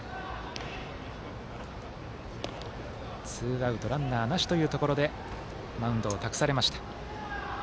ツーアウト、ランナーなしというところでマウンドを託されました。